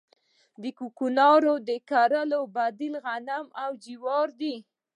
د کوکنارو د کرلو بدیل غنم او جوار دي